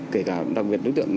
kể cả đặc biệt đối tượng